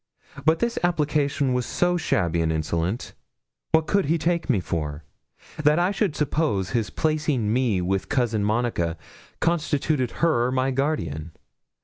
But this application was so shabby and insolent! What could he take me for? That I should suppose his placing me with Cousin Monica constituted her my guardian?